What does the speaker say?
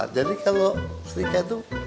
jadi kalau sedikit tuh